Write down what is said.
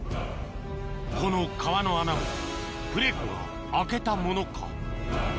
この川の穴もプレコが開けたものか？